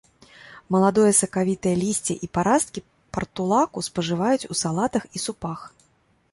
Маладое сакавітае лісце і парасткі партулаку спажываюць у салатах і супах.